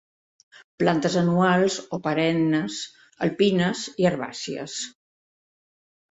Plantes anuals o perennes, alpines i herbàcies.